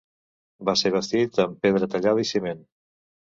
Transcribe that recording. Va ser bastit amb pedra tallada i ciment.